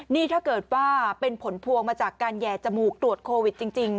นี่ถ้าเกิดว่าเป็นผลพวงมาจากการแห่จมูกตรวจโควิดจริง